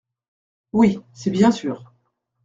Oui, c’est bien sur.